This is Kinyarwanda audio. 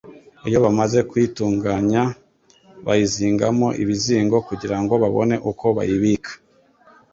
Iyo bamaze kuyitunganya bayizingamo ibizingo kugirango babone uko bayibika.